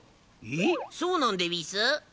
えっそうなんでうぃす？